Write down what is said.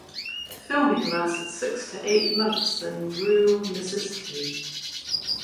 Filming lasted six to eight months in rural Mississippi.